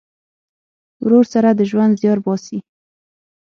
ورور سره د ژوند زیار باسې.